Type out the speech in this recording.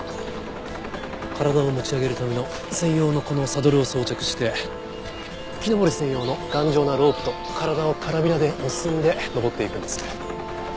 体を持ち上げるための専用のこのサドルを装着して木登り専用の頑丈なロープと体をカラビナで結んで登っていくんです。